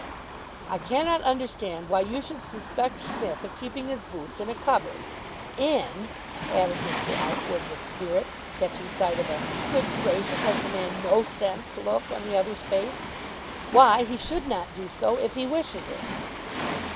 "I cannot understand why you should suspect Smith of keeping his boots in a cupboard, and," added Mr. Outwood with spirit, catching sight of a Good Gracious has the man no sense look on the other's face, "why he should not do so if he wishes it."